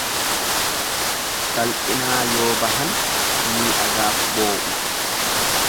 Salphinaa yoo bahan miidhagaaf boo'u.